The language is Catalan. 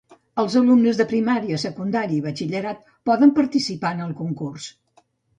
Els alumnes de primària, secundària i batxillerat poden participar en el concurs.